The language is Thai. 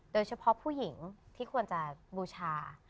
โดยเฉพาะผู้หญิงที่ควรจะบูชา